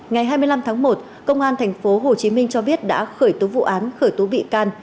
ngày hai mươi năm tháng một công an thành phố hồ chí minh cho biết đã khởi tố vụ án khởi tố bị can